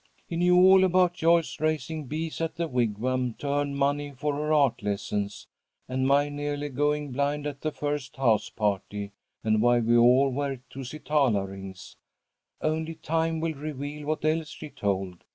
"He knew all about Joyce raising bees at the Wigwam to earn money for her art lessons, and my nearly going blind at the first house party, and why we all wear Tusitala rings. Only time will reveal what else she told.